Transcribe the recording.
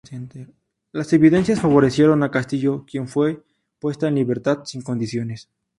Las evidencias favorecieron a Castillo quien fue puesta en libertad sin condiciones.